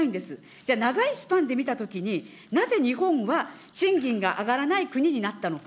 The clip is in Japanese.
じゃあ、長いスパンで見たときに、なぜ日本は賃金が上がらない国になったのか。